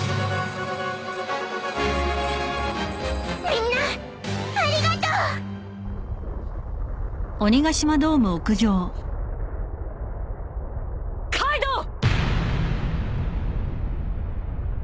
みんなありがとう！カイドウ！